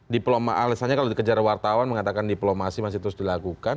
diploma alesannya kalau dikejar wartawan mengatakan diplomasi masih terus dilakukan